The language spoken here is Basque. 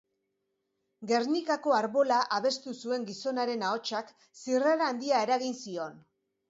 Gernikako Arbola abestu zuen gizonaren ahotsak zirrara handia eragin zion.